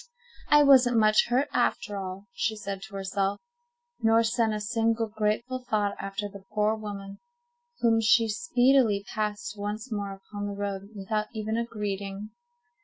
"I wasn't much hurt after all," she said to herself, nor sent a single grateful thought after the poor woman, whom she speedily passed once more upon the road without even a greeting.